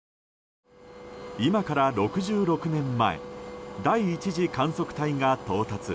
今から６６年前第１次観測隊が到達。